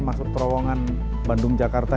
masuk terowongan bandung jakarta